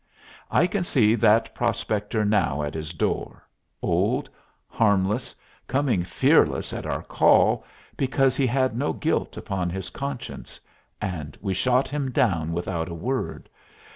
I can see that prospector now at his door, old, harmless, coming fearless at our call, because he had no guilt upon his conscience and we shot him down without a word.